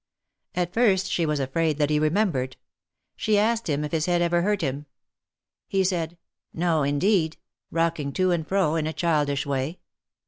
At first she was afraid that he remembered. She asked him if his head ever hurt him. He said: No, indeed ! rocking to and fro, in a childish way.